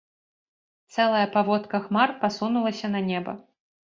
Цэлая паводка хмар пасунулася на неба.